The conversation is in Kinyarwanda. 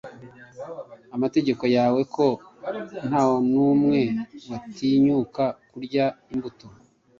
amategeko yawe Ko ntanumwe watinyuka kurya imbuto